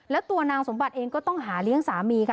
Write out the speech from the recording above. แล้วตัวนางสมบัติเองก็ต้องหาเลี้ยงสามีค่ะ